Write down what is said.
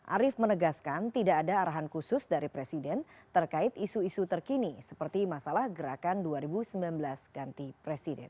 arief menegaskan tidak ada arahan khusus dari presiden terkait isu isu terkini seperti masalah gerakan dua ribu sembilan belas ganti presiden